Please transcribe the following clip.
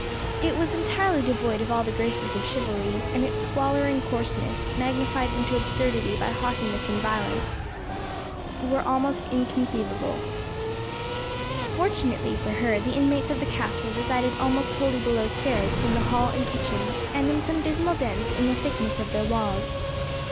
It was entirely devoid of all the graces of chivalry, and its squalor and coarseness, magnified into absurdity by haughtiness and violence, were almost inconceivable. Fortunately for her, the inmates of the castle resided almost wholly below stairs in the hall and kitchen, and in some dismal dens in the thickness of their walls.